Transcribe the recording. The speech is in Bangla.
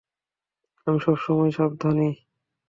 আমি সবসময় সাবধানী।